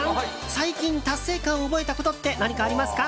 最近、達成感を覚えたことって何かありますか？